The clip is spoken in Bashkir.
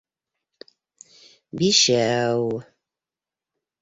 Бишәү...